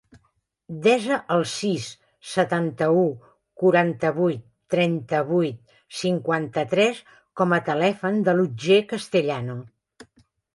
Desa el sis, setanta-u, quaranta-vuit, trenta-vuit, cinquanta-tres com a telèfon de l'Otger Castellano.